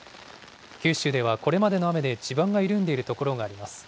九州ではこれまでの雨で地盤が緩んでいる所があります。